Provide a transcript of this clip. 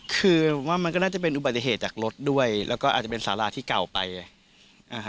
คือว่ามันก็น่าจะเป็นอุบัติเหตุจากรถด้วยแล้วก็อาจจะเป็นสาราที่เก่าไปอ่า